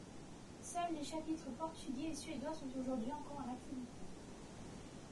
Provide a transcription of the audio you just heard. Seuls les chapitres portugais et suédois sont aujourd'hui encore en activité.